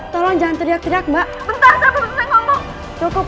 tolong jangan teriak teriak mbak bertahan